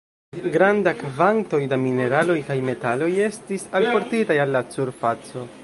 Granda kvantoj da mineraloj kaj metaloj estis alportitaj al la surfaco.